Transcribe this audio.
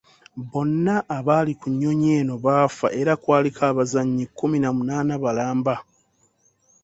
Bonna abaali ku nnyonyi eno baafa era kwaliko abazannyi kkumi na munaana balamba.